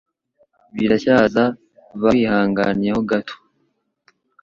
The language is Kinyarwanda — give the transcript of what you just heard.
Biracyaza ba wihanganye ho gato